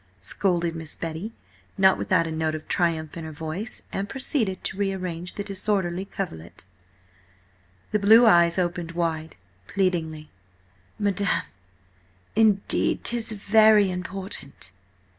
scolded Miss Betty, not without a note of triumph in her voice, and proceeded to rearrange the disorderly coverlet. The blue eyes opened wide, pleadingly. "Madam, indeed 'tis very important."